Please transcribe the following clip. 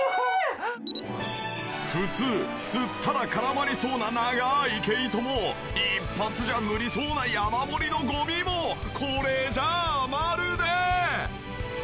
普通吸ったら絡まりそうな長い毛糸も一発じゃ無理そうな山盛りのゴミもこれじゃあまるで。